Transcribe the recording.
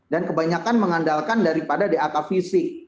dan kebanyakan mengandalkan daripada deata fisik